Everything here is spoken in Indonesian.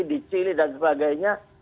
di chile dan sebagainya